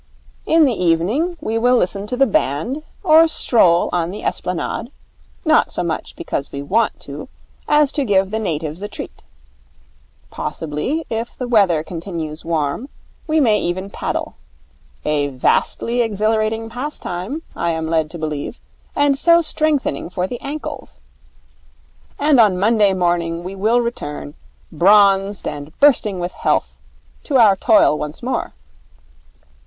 In the evening we will listen to the band, or stroll on the esplanade, not so much because we want to, as to give the natives a treat. Possibly, if the weather continues warm, we may even paddle. A vastly exhilarating pastime, I am led to believe, and so strengthening for the ankles. And on Monday morning we will return, bronzed and bursting with health, to our toil once more.'